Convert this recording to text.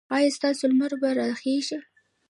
ایا ستاسو لمر به راخېژي؟